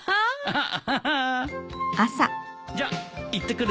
ハハハ。